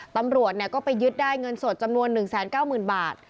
ตำรวจก็ไปยึดได้เงินสดจำนวน๑๙๐๐๐บาท